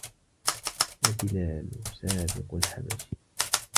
وَبِلَالٌ سَابِقُ الْحَبَشِ